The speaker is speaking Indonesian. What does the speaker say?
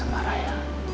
member shape ya